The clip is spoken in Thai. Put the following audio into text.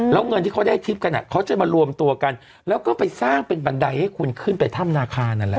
แล้วเงินที่เขาได้ทริปกันเขาจะมารวมตัวกันแล้วก็ไปสร้างเป็นบันไดให้คุณขึ้นไปถ้ำนาคารนั่นแหละ